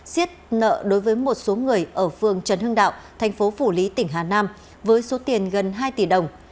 xiết nợ đối với một số người ở phường trần hưng đạo thành phố phủ lý tỉnh hà nam với số tiền gần hai tỷ đồng